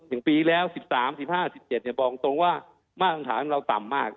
อย่างปีแล้ว๑๓๑๕๑๗บอกตรงว่ามาตรฐานเราต่ำมาก